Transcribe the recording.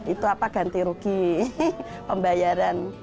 itu apa ganti rugi pembayaran